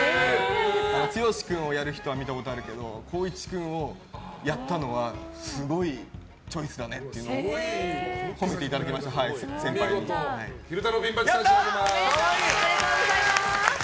剛君をやる人は見たことあるけど光一君をやったのはすごいチョイスだねって昼太郎ピンバッジ差し上げます。